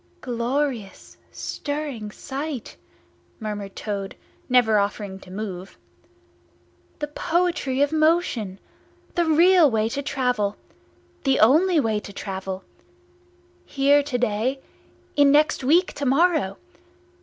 "Glorious, stirring sight!" murmured Toad, never offering to move. "The poetry of motion! The real way to travel! The only way to travel! Here to day—in next week to morrow!